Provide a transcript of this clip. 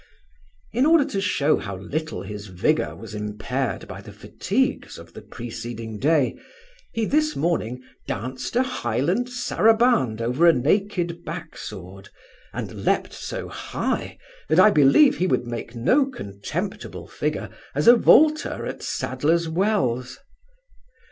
In order to shew how little his vigour was impaired by the fatigues of the preceding day, he this morning danced a Highland sarabrand over a naked back sword, and leaped so high, that I believe he would make no contemptible figure as a vaulter at Sadler's Wells.